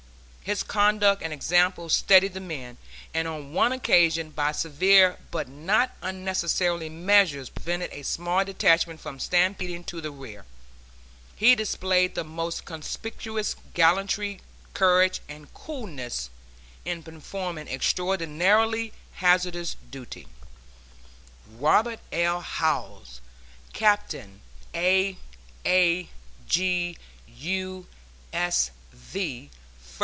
His conduct and example steadied the men, and on one occasion by severe but not unnecessary measures prevented a small detachment from stampeding to the rear. He displayed the most conspicuous gallantry, courage and coolness, in performing extraordinarily hazardous duty. ROBERT L. HOWZE, Captain A. A. G., U. S. V.